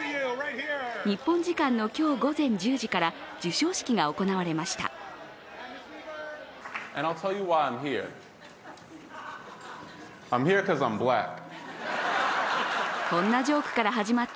日本時間の今日午前１０時から授賞式が行われました。